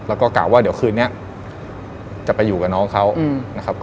แล้วก็กะว่าเดี๋ยวคืนนี้จะไปอยู่กับน้องเขานะครับ